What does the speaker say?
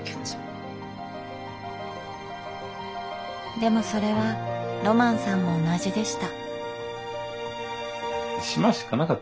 でもそれはロマンさんも同じでした。